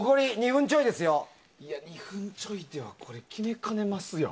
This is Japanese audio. ２分ちょいでは決めかねますよ。